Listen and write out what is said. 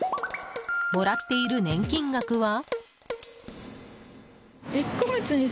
もらっている年金額は？